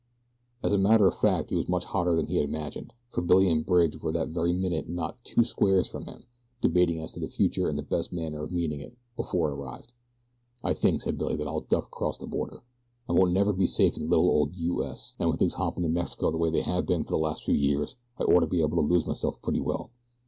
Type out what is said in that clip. As a matter of fact he was much hotter than he imagined, for Billy and Bridge were that very minute not two squares from him, debating as to the future and the best manner of meeting it before it arrived. "I think," said Billy, "that I'll duck across the border. I won't never be safe in little old U. S., an' with things hoppin' in Mexico the way they have been for the last few years I orter be able to lose myself pretty well.